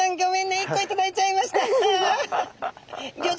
１個頂いちゃいました。